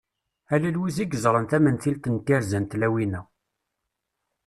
Ala Lwiza i yeẓran tamentilt n tirza n tlawin-a.